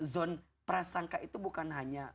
zone prasangka itu bukan hanya